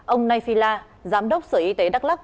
ông nay phi la giám đốc sở y tế đắk lắc